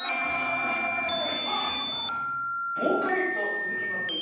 ボーカリスト鈴木雅之